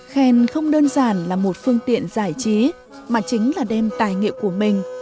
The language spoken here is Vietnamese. khen không đơn giản là một phương tiện giải trí mà chính là đem tài nghiệp của mình